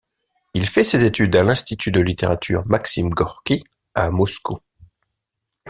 Il fait ses études à l'Institut de littérature Maxime-Gorki à Moscou.